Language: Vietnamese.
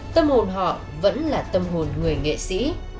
tâm hồn họ vẫn là tâm hồn người nghệ sĩ